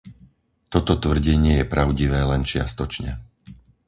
Toto tvrdenie je pravdivé len čiastočne.